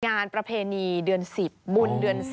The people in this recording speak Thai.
ประเพณีเดือน๑๐บุญเดือน๑๐